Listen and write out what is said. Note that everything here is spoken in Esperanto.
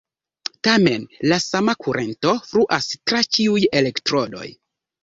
Tamen, la sama kurento fluas tra ĉiuj elektrodoj.